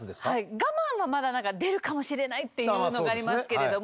我慢はまだ何か出るかもしれないっていうのがありますけれども。